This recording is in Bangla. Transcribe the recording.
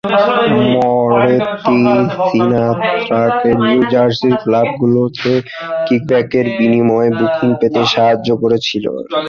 মোরেত্তি সিনাত্রাকে নিউ জার্সির ক্লাবগুলোতে কিকব্যাকের বিনিময়ে বুকিং পেতে সাহায্য করেছিলেন।